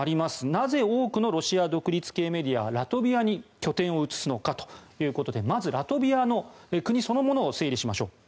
なぜ多くのロシアの独立系メディアがラトビアに拠点を移すのかということでまずラトビアという国そのものを整理しましょう。